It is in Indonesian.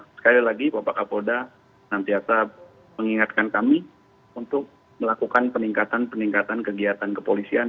sekali lagi bapak kapolda nantiasa mengingatkan kami untuk melakukan peningkatan peningkatan kegiatan kepolisian